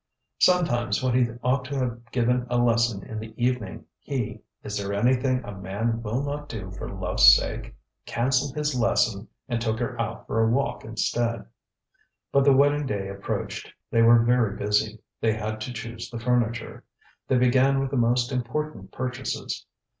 Sometimes, when he ought to have given a lesson in the evening, he (is there anything a man will not do for loveŌĆÖs sake?) cancelled his lesson and took her out for a walk instead. But the wedding day approached. They were very busy. They had to choose the furniture. They began with the most important purchases.